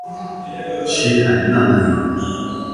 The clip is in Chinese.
七海娜娜米